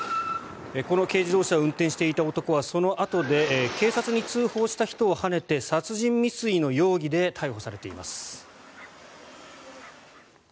この軽自動車を運転していた男はそのあと警察に通報した人をはねて殺人未遂の容疑で逮捕されています。